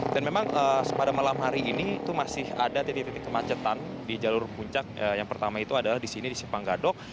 dan memang pada malam hari ini itu masih ada titik titik kemacetan di jalur puncak yang pertama itu adalah disini di simpang gadok